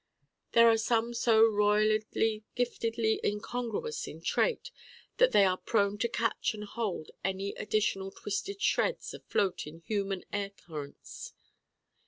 There are some so roiledly giftedly incongruous in trait that they are prone to catch and hold any additional twisted shreds afloat in human air currents.